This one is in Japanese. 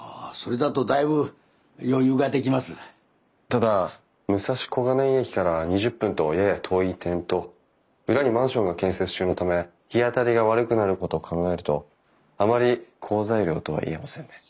ただ武蔵小金井駅から２０分とやや遠い点と裏にマンションが建設中のため日当たりが悪くなることを考えるとあまり好材料とは言えませんね。